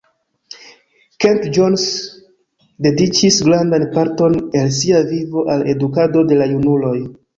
Kent Jones dediĉis grandan parton el sia vivo al edukado de la junuloj.